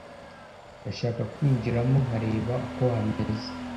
Ndashaka kwinjiramo nkareba uko hameze